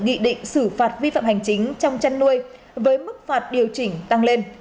nghị định xử phạt vi phạm hành chính trong chăn nuôi với mức phạt điều chỉnh tăng lên